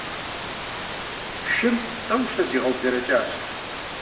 Шым тӀэу-щэ зигъэублэрэкӀащ.